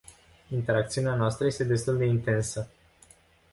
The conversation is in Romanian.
Interacțiunea noastră este destul de intensă.